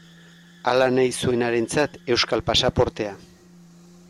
Hala nahi zuenarentzat euskal pasaportea.